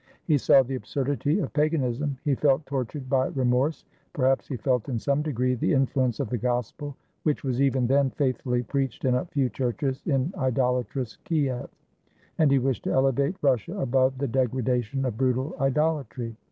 He saw the absurdity of paganism; he felt tortured by remorse ; perhaps he felt in some degree the influence of the Gospel, which was even then faithfully preached in a few churches in idolatrous Kiev; and he wished to elevate Russia above the degradation of bmtal idolatry.